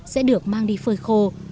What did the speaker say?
sẽ được mang đi phơi khô